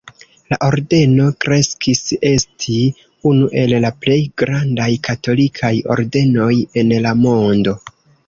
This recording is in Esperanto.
La ordeno kreskis esti unu el la plej grandaj katolikaj ordenoj en la mondo.